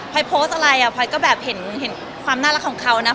พอยโพสต์อะไรอ่ะพลอยก็แบบเห็นความน่ารักของเขานะ